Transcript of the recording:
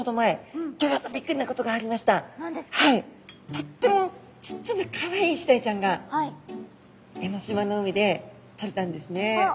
とってもちっちゃなかわいいイシダイちゃんが江の島の海でとれたんですね。